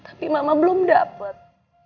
tapi mama belum dapet